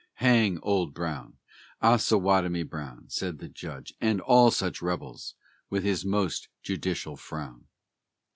"Hang Old Brown, Osawatomie Brown," Said the judge, "and all such rebels!" with his most judicial frown.